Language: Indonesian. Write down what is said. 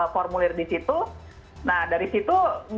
formulir di situ nah dari situ